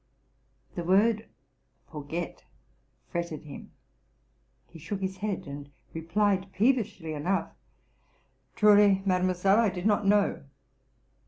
'' The word ''forget'' fretted him: he shook his head and replied, peevishly enough, '+ Truly, ma demoiselle, I did not know!